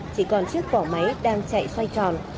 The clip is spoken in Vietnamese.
chỉ còn chiếc vỏ máy đang chạy xoay tròn